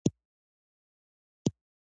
که يې رابيدارې نه کړو.